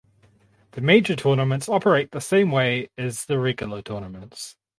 The Major tournaments operate the same way as the Regular tournaments.